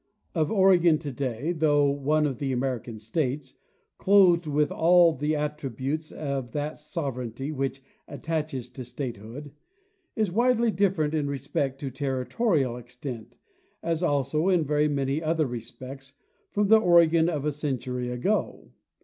The Oregon of today, though one of the American states, clothed with all the attributes of that sovereignty which attaches to statehood, is widely different in respect to territorial extent, as also in very many other respects, from the Oregon of a century ago.